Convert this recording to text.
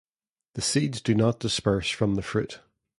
The seeds do not disperse from the fruit.